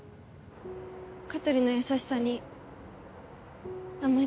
香取の優しさに甘えてました。